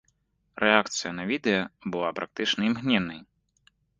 Рэакцыя на відэа была практычна імгненнай.